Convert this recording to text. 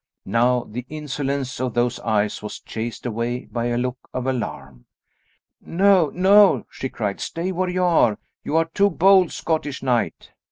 Now the insolence of those eyes was chased away by a look of alarm. "No, no," she cried, "stay where you are. You are too bold, Scottish knight."